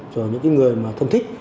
rồi những người thân thích